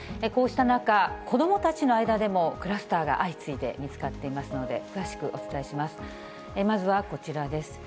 こうした中、子どもたちの間でもクラスターが相次いで見つかっていますので、詳しくお伝えします。